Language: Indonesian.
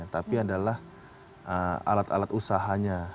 tapi adalah alat alat usahanya